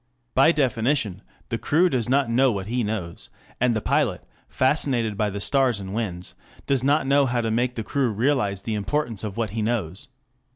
By definition the crew does not know what he knows, and the pilot, fascinated by the stars and winds, does not know how to make the crew realize the importance of what he knows.